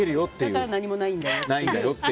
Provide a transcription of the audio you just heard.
だから何もないんだよと？